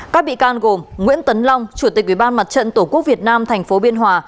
các bị can gồm nguyễn tấn long chủ tịch ủy ban mặt trận tổ quốc việt nam tp biên hòa